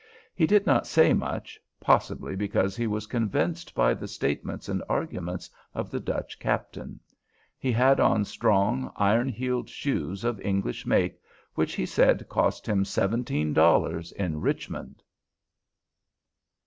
He did not say much, possibly because he was convinced by the statements and arguments of the Dutch captain. He had on strong, iron heeled shoes, of English make, which he said cost him seventeen dollars in Richmond.